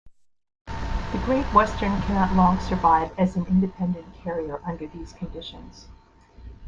The Great Western cannot long survive as an independent carrier under these conditions.